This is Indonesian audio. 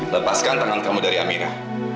lepaskan tangan kamu dari amirah